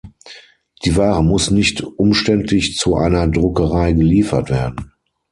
Die Ware muss nicht umständlich zu einer Druckerei geliefert werden.